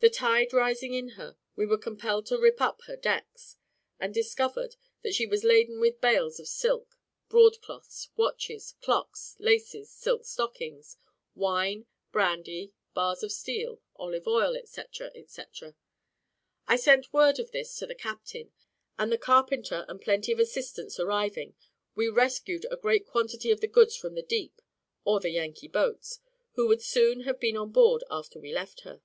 The tide rising in her, we were compelled to rip up her decks, and discovered that she was laden with bales of silk, broad cloths, watches, clocks, laces, silk stockings, wine, brandy, bars of steel, olive oil, &c, &c. I sent word of this to the captain; and the carpenter and plenty of assistants arriving, we rescued a great quantity of the goods from the deep or the Yankee boats, who would soon have been on board after we left her.